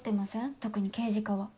特に刑事課は。